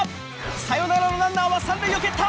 サヨナラのランナーは３塁を蹴った！